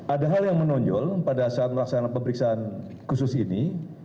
ada hal yang menonjol pada saat melaksanakan pemeriksaan khusus ini